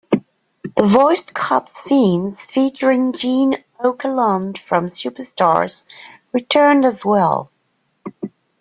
The voiced cut scenes featuring Gene Okerlund from "Superstars" returned as well.